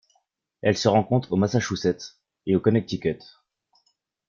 Elle se rencontre au Massachusetts et au Connecticut.